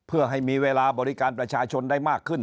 เพื่อให้มีเวลาบริการประชาชนได้มากขึ้น